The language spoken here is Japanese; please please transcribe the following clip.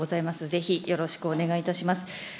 ぜひよろしくお願いいたします。